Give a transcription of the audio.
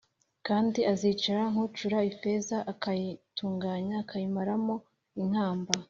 Kandi azicara nk’ucura ifeza akayitunganya akayimaramo inkamba